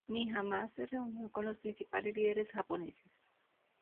Ni jamás se reunió con los principales líderes japoneses.